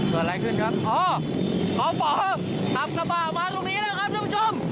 เกิดอะไรขึ้นครับอ๋ออ๋อขับกระบะมาตรงนี้แล้วครับท่านผู้ชม